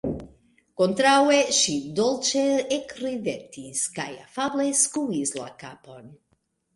Kontraŭe, ŝi dolĉe ekridetis kaj afable skuis la kapon.